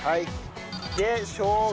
でしょうが。